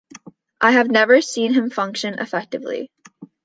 I have never seen him function effectively.